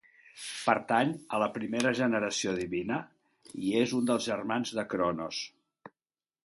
Pertany a la primera generació divina i és un dels germans de Cronos.